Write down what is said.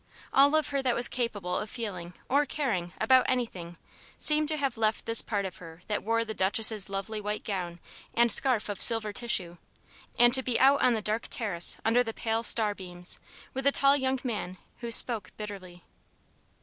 All of her that was capable of feeling or caring about anything seemed to have left this part of her that wore the Duchess's lovely white gown and scarf of silver tissue, and to be out on the dark terrace under the pale star beams, with a tall young man who spoke bitterly.